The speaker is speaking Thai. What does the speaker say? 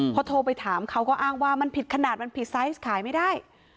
พอโทรไปถามเขาก็อ้างว่ามันผิดขนาดมันผิดไซส์ขายไม่ได้